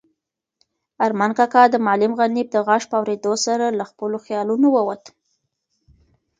ارمان کاکا د معلم غني د غږ په اورېدو سره له خپلو خیالونو ووت.